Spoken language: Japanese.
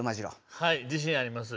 はい自信あります。